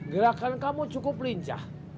gerakan kamu cukup lincah